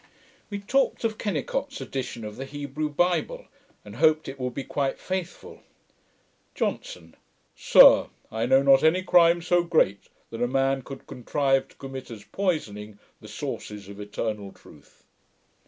We talked of Kennicot's edition of the Hebrew Bible, and hoped it would be quite faithful. JOHNSON. 'Sir, I know not any crime so great that a man could contrive to commit, as poisoning the sources of eternal truth.'